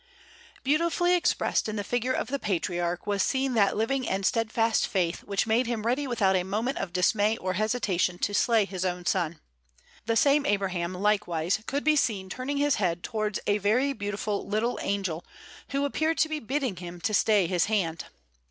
Beautifully expressed in the figure of the patriarch was seen that living and steadfast faith which made him ready without a moment of dismay or hesitation to slay his own son. The same Abraham, likewise, could be seen turning his head towards a very beautiful little angel, who appeared to be bidding him stay his hand.